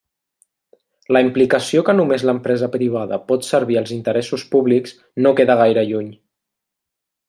La implicació que només l'empresa privada pot servir els interessos públics no queda gaire lluny.